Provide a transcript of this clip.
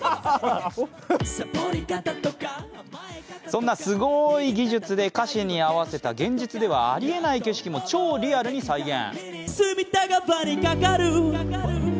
そんなすごーい技術で歌詞に合わせた現実ではありえない景色も超リアルに再現。